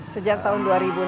sejak tahun dua ribu enam belas